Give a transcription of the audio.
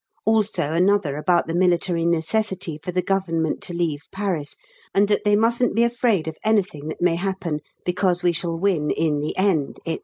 Also another about the military necessity for the Government to leave Paris, and that they mustn't be afraid of anything that may happen, because we shall win in the end, &c.